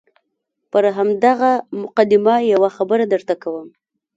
پر همدغه مقدمه یوه خبره درته کوم.